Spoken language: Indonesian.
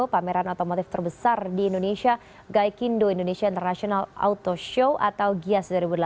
pameran otomotif terbesar di indonesia gaikindo indonesia international auto show atau gias dua ribu delapan belas